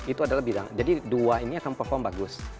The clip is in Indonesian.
itu adalah bidang jadi dua ini akan perform bagus